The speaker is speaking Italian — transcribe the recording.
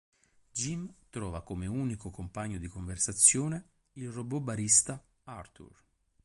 Jim trova come unico compagno di conversazione il robot barista Arthur.